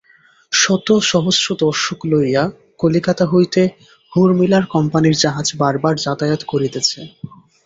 শত সহস্র দর্শক লইয়া কলিকাতা হইতে হোরমিলার কোম্পানীর জাহাজ বার বার যাতায়াত করিতেছে।